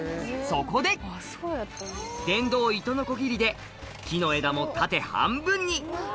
そこで、電動糸のこぎりで、木の枝を縦半分に。